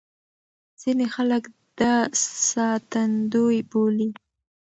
ځينې خلک دا ساتندوی بولي.